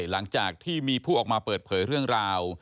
หลังจากที่มีผู้ออกมาเปิดเผยเรื่องราว